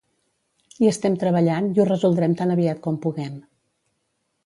Hi estem treballant i ho resoldrem tan aviat com puguem.